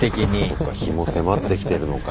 そっか日も迫ってきてるのか。